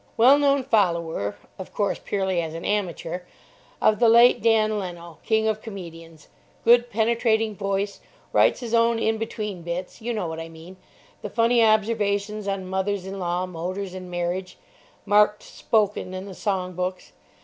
Well known follower—of course, purely as an amateur—of the late Dan Leno, king of comedians; good penetrating voice; writes his own in between bits—you know what I mean: the funny observations on mothers in law, motors, and marriage, marked "Spoken" in the song books.